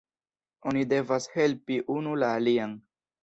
Oni devas helpi unu la alian.